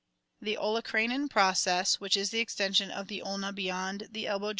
The ole cranon process, which I is the extension of the ulna beyond the el Fio.